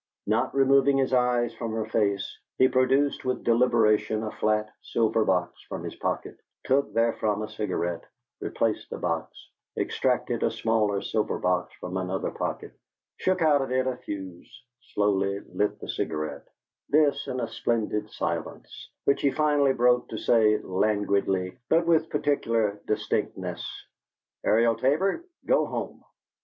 Not removing his eyes from her face, he produced with deliberation a flat silver box from a pocket, took therefrom a cigarette, replaced the box, extracted a smaller silver box from another pocket, shook out of it a fusee, slowly lit the cigarette this in a splendid silence, which he finally broke to say, languidly, but with particular distinctness: "Ariel Tabor, go home!"